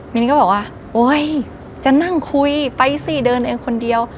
มินก็บอกว่าโอ๊ยจะนั่งคุยไปสิเดินเองคนเดียว